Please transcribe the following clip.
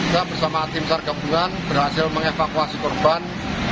kita bersama tim sargabungan berhasil mengevakuasi korban